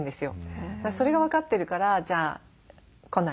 それが分かってるからじゃあ来ない？